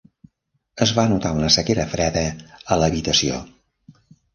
Es va notar una sequera freda a l'habitació.